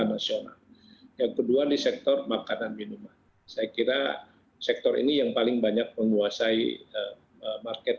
nasional yang kedua di sektor makanan minuman saya kira sektor ini yang paling banyak menguasai market